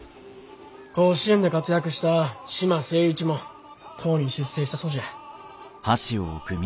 甲子園で活躍した嶋清一もとうに出征したそうじゃ。